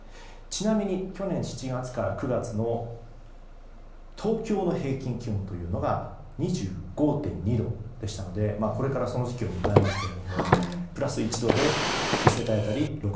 ちなみに、去年７月から９月の東京の平均気温というのが２５．２度でしたのでこれからその時期を迎えますがプラス１度で１世帯当たり６０００円